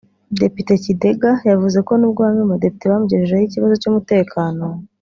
Depite Kidega yavuze ko nubwo bamwe mu badepite bamugejejeho ikibazo cy’umutekano